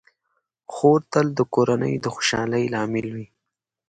خور تل د کورنۍ د خوشحالۍ لامل وي.